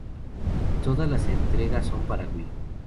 Todas las entregas son para Wii.